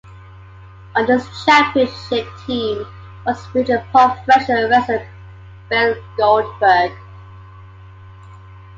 On this championship team was future professional wrestler Bill Goldberg.